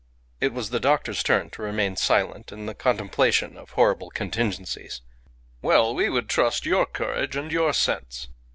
It was the doctor's turn to remain silent in the contemplation of horrible contingencies. "Well, we would trust your courage and your sense.